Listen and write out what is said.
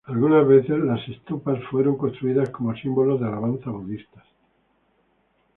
Algunas veces las estupas fueron construidas como símbolos de alabanza budistas.